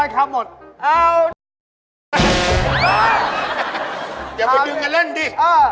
อย่าไปดึงกันเล่นดิ